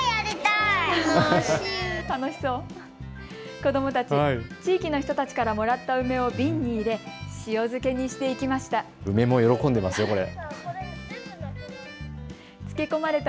子どもたち、地域の人たちからもらった梅を瓶に入れ塩漬けにしていきました。